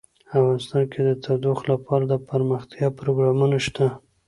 افغانستان کې د تودوخه لپاره دپرمختیا پروګرامونه شته.